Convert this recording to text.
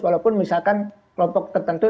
walaupun misalkan kelompok tertentu